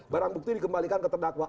barang bukti dikembalikan ke terdakwa